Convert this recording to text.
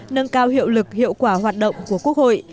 nâng cao hiệu lực hiệu quả hoạt động của quốc hội